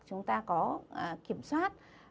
chúng ta có kiểm soát